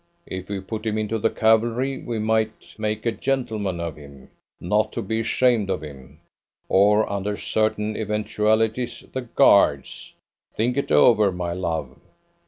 If we put him into the cavalry, we might make a gentleman of him not be ashamed of him. Or, under certain eventualities, the Guards. Think it over, my love.